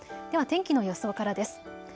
では天気の予想からです。